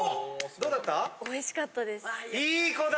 どうだった？